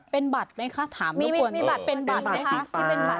เป็นบัตรไหมคะถามด้วยก่อนเป็นบัตรไหมคะเป็นบัตรสีฟ้า